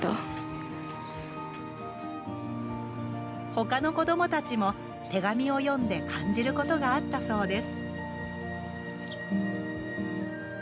他の子どもたちも手紙を読んで感じることがあったそうです。